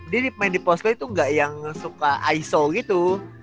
dia main di posko itu nggak yang suka iso gitu